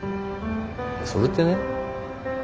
それってねもの